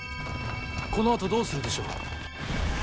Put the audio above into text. このあとどうするでしょう？